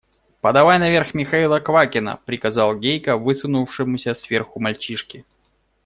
Подавай наверх Михаила Квакина! – приказал Гейка высунувшемуся сверху мальчишке.